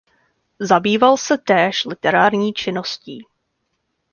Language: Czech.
Zabýval se též literární činností.